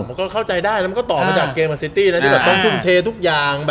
มันก็เข้าใจได้แล้วมันก็ต่อมาจากเกมกับซิตี้นะที่แบบต้องทุ่มเททุกอย่าง